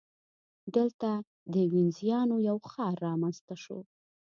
دلته د وینزیانو یو ښار رامنځته شو.